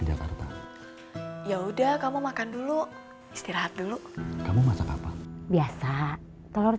jangan lupa like share dan subscribe